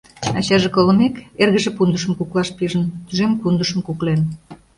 Ачаже колымек, эргыже пундышым куклаш пижын, тӱжем пундышым куклен.